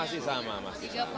masih sama masih sama